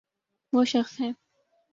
و ہ شخص ہے۔